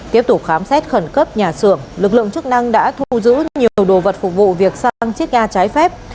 tiếp tục khám xét khẩn cấp nhà xưởng lực lượng chức năng đã thu giữ nhiều đồ vật phục vụ việc sang chiếc ga trái phép